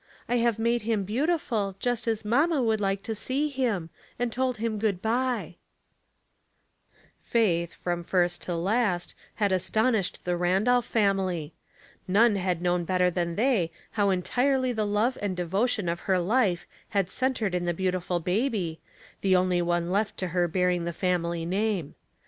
I have made him beautiful, just as mamma would like to see him, and told him good bye." 326 Household Puzzles, Faith, from first to last, had astonished the Randolph family. None had known better than they how entirely the love and devotion of her life had centered in the beautiful bab}^ the only one left to her bearing the family name.